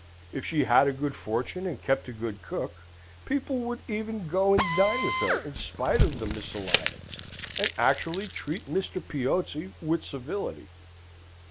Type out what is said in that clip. If she had a good fortune and kept a good cook, people would even go and dine with her in spite of the misalliance, and actually treat Mr. Piozzi with civility.